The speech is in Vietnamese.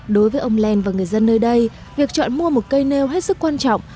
đối với ông lên và người dân nơi đây việc chọn mua một cây nêu hết sức quan trọng